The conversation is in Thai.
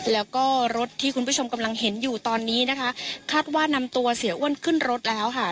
แล้วก็รถที่คุณผู้ชมกำลังเห็นอยู่ตอนนี้นะคะคาดว่านำตัวเสียอ้วนขึ้นรถแล้วค่ะ